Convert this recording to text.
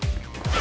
あ！